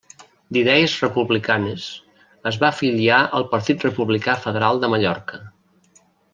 D'idees republicanes, es va afiliar al Partit Republicà Federal de Mallorca.